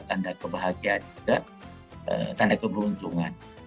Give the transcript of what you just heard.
tanda kebahagiaan juga tanda keberuntungan